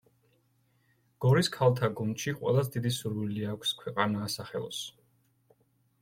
გორის ქალთა გუნდში ყველას დიდი სურვილი აქვს, ქვეყანა ასახელოს.